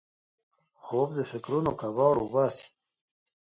خوب د فکرونو کباړ وباسي